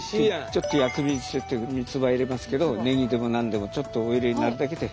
ちょっと薬味添えてみつば入れますけどネギでも何でもちょっとお入れになるだけで。